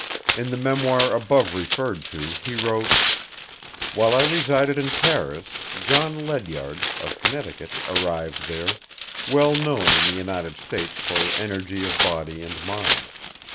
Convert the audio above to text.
In the memoir above referred to, he wrote: "While I resided in Paris, John Ledyard, of Connecticut, arrived there, well known in the United States for energy of body and mind.